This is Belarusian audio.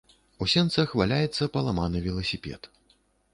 У сенцах валяецца паламаны веласіпед.